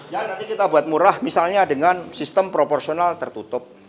ya nanti kita buat murah misalnya dengan sistem proporsional tertutup